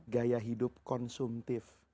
gaya hidup konsumtif